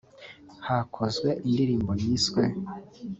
hakozwe indirimbo yiswe